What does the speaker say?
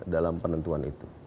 dalam penentuan itu